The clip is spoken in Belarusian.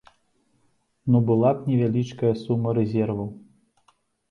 Ну, была б невялічкая сума рэзерваў.